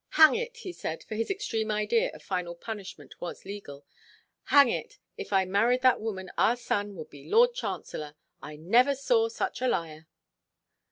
"Hang it," he said, for his extreme idea of final punishment was legal; "hang it, if I married that woman, our son would be Lord Chancellor. I never saw such a liar."